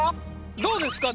どうですか？